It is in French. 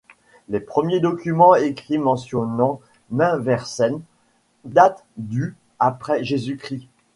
Les premiers documents écrits mentionnant Minversheim datent du après Jésus-Christ.